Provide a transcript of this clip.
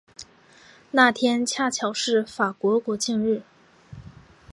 那天恰巧是法国国庆日。